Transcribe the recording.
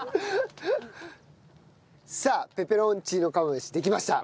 さあペペロンチーノ釜飯できました。